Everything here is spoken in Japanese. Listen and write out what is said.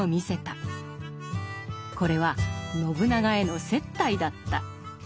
これは信長への接待だった。